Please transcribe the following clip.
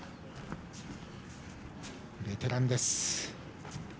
ベテランです。